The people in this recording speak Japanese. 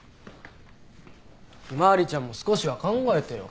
向日葵ちゃんも少しは考えてよ。